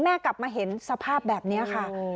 กลับมาเห็นสภาพแบบนี้ค่ะ